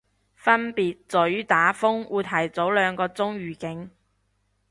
分別在於打風會提早兩個鐘預警